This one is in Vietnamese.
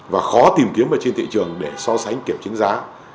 và khó tìm kiếm ở trên thị trường để so sánh kiểm chứng giá